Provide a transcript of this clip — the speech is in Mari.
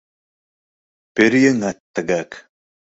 Пӧръеҥат тыгак.